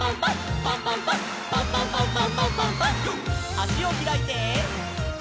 」あしをひらいて。